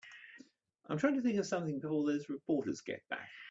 I'm trying to think of something before those reporters get back.